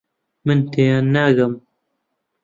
من تێیان ناگەم.